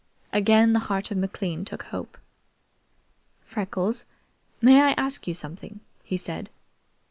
Again the heart of McLean took hope. "Freckles, may I ask you something?" he said.